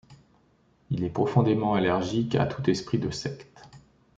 Il est profondément allergique à tout esprit de secte.